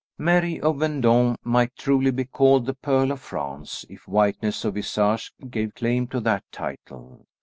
Mary of Vendôme might truly be called the Pearl of France, if whiteness of visage gave claim to that title.